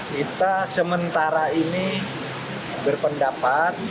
kita sementara ini berpendapat